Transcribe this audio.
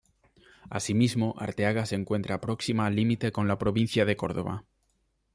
Asimismo, Arteaga se encuentra próxima al límite con la provincia de Córdoba.